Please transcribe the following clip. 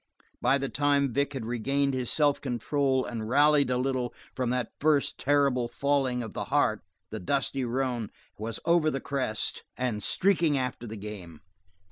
By the time Vic had regained his self control and rallied a little from that first terrible falling of the heart, the dusty roan was over the crest and streaking after the game.